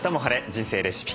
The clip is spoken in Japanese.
人生レシピ」。